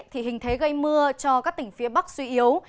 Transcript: thì hình thế gây mưa cho các tỉnh phía bắc suy yếu